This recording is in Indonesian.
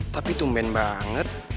tapi tumben banget